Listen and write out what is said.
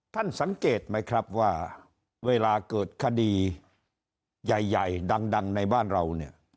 ท่านสังเกตไหมครับว่าเวลาเกิดคดีใหญ่ดังในบ้านเราเนี่ย